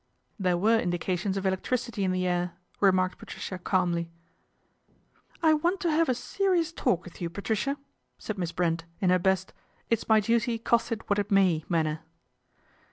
' There were indications of electricity in the air," remarked Patricia calmly. " I want to have a serious talk with you, Patricia," said Miss Brent in her best it's my duty cost it what it may manner.